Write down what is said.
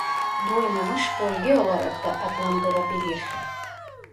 Doymamış bölge olarak da adlandırabilir.